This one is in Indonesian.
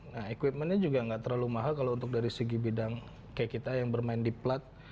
nah equipmentnya juga nggak terlalu mahal kalau untuk dari segi bidang kayak kita yang bermain di plat